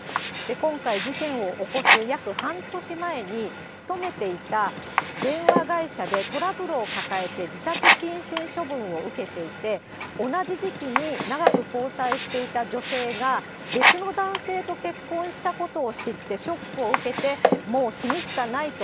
今回、事件を起こす約半年前に、勤めていた電話会社でトラブルを抱えて自宅謹慎処分を受けていて、同じ時期に長く交際していた女性が別の男性と結婚したことを知ってショックを受けて、もう死ぬしかないと。